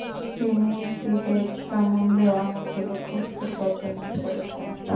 তিনি ক্রিকেট সম্বন্ধে অনেকগুলো পুস্তক রচনা করেছেন।